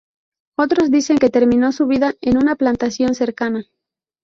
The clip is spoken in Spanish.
Otros dicen que terminó su vida en una plantación cercana.